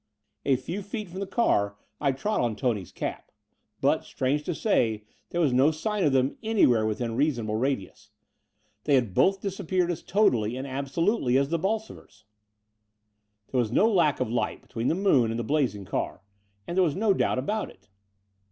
A few feet from the car I trod on Tony's cap; but, strange to 28 The Door of the Unreal say, there was no sign of them anywhere within reasonable radius. They had both disappeared as totally and abso lutely as the Bolsovers! There was no lack of light between the moon and the blazing car ; and there was no doubt about it.